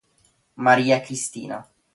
Maria Cristina